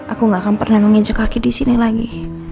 aku gak akan pernah menginjak kaki di sini lagi